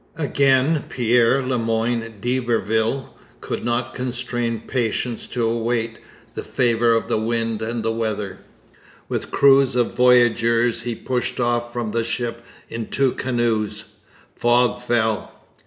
Again Pierre Le Moyne d'Iberville could not constrain patience to await the favour of wind and weather. With crews of voyageurs he pushed off from the ship in two canoes. Fog fell.